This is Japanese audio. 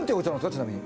ちなみに。